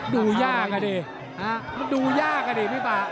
ดูยากอะดิดูยากอะดิพี่ป่า